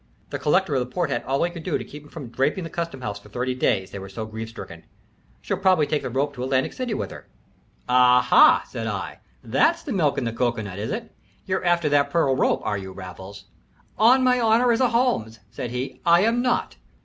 The Collector of the Port had all he could do to keep 'em from draping the custom house for thirty days, they were all so grief stricken. She'll probably take the rope to Atlantic City with her." "Aha!" said I. "That's the milk in the cocoanut, is it? You're after that pearl rope, are you, Raffles?" "On my honor as a Holmes," said he, "I am not.